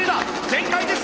全開です！